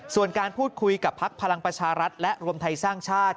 ส่วนการพูดคุยกับพักพลังประชารัฐและรวมไทยสร้างชาติ